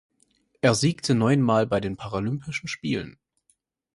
Er siegte neuen Mal bei den Paralympischen Spielen.